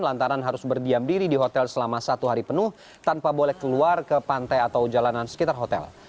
lantaran harus berdiam diri di hotel selama satu hari penuh tanpa boleh keluar ke pantai atau jalanan sekitar hotel